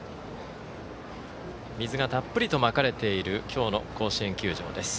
水がたっぷりとまかれている今日の甲子園球場です。